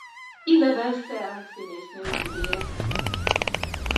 Isabelle Cyr színésznő nővére.